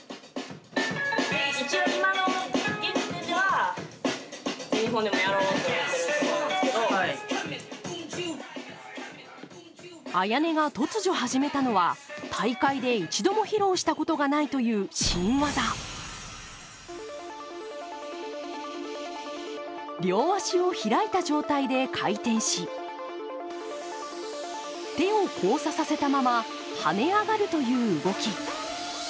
一応今のＡＹＡＮＥが突如始めたのは大会で一度も披露したことがないという両足を開いた状態で回転し手を交差させたまま跳ね上がるという動き。